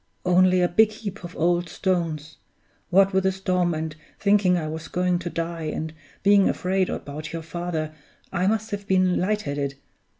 Only a big heap of old stones! What with the storm, and thinking I was going to die, and being afraid about your father, I must have been light headed.